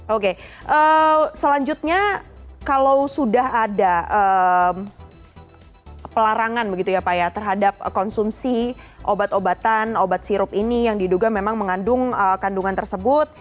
oke selanjutnya kalau sudah ada pelarangan begitu ya pak ya terhadap konsumsi obat obatan obat sirup ini yang diduga memang mengandung kandungan tersebut